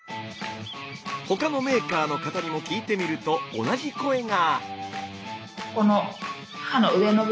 他のメーカーの方にも聞いてみると同じ声が。